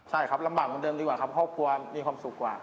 ใช่ครับลำบากเหมือนเดิมดีกว่าครับครอบครัวมีความสุขกว่า